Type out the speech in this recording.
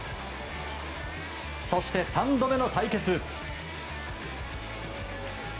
そして、３度目の対決。